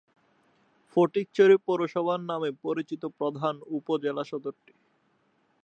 ফটিকছড়ি পৌরসভা নামে পরিচিত প্রধান উপ-জেলাসদরটি।